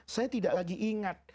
saya tidak ingat